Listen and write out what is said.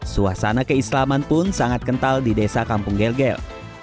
suasana keislaman pun sangat kental di desa kampung gel gel